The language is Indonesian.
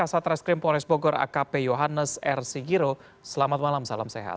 jiro selamat malam salam sehat